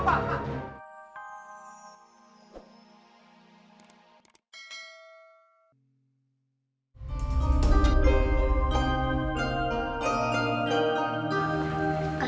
seharap diri kamu